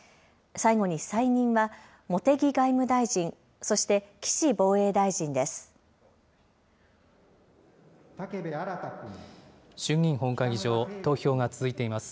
最後に再任は、茂木外務大臣、そして岸防衛大臣です。